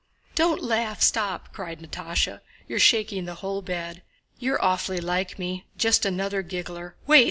"Don't laugh, stop!" cried Natásha. "You're shaking the whole bed! You're awfully like me, just such another giggler.... Wait..."